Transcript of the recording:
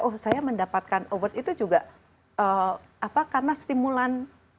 oh saya mendapatkan award itu juga karena stimulan